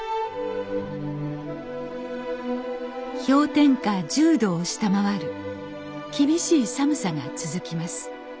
氷点下１０度を下回る厳しい寒さが続きます。